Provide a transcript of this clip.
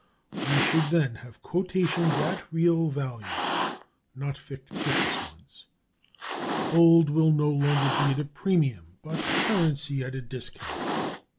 We should then have quotations at real values, not fictitious ones. Gold would no longer be at a premium, but currency at a discount.